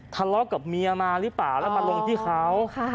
ทะเลาะกับเมียมาหรือเปล่าแล้วมาลงที่เขา